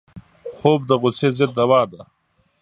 خوب د غصې ضد دوا ده